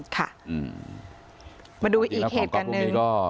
ค่ะมาดูอีกเหตุการณ์หนึ่ง